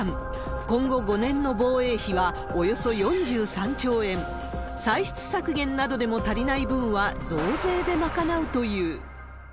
今後５年の防衛費はおよそ４３兆円、歳出削減などでも足りない分は増税で賄うという。